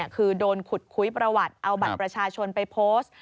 คือโดนขุดคุยประวัติเอาบัตรประชาชนไปโพสต์